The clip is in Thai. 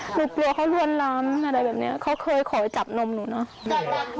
หนูกลัวเค้ารวนล้ามอันดับเนี่ยเค้าเคยขอยจับนมหนูเนาะ